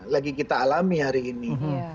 lagi kita alami hari ini